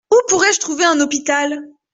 Où pourrais-je trouver un hôpital ?